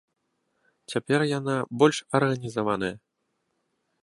Цяпер яна больш арганізаваная.